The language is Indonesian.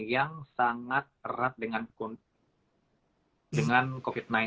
yang sangat erat dengan covid sembilan belas